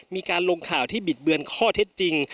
มีการลงข่าวที่บิดเบือนข้อเท็จจริง